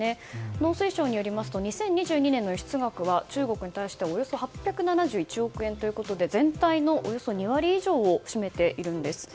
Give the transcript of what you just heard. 農水省によりますと２０２２年の輸出額は中国に対しておよそ８７１億円ということで全体のおよそ２割以上を占めているんです。